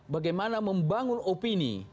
bagaimana membangun opini